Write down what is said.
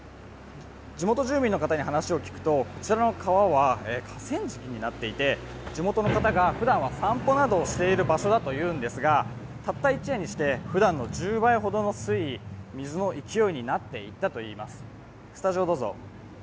地元住民の方に話を聞くと、こちらの川は河川敷になっていて、地元の方が、ふだんは散歩などをしている場所だということですがたった一夜にしてふだんの１０倍ほどの水位、水の勢いになっていったといいます。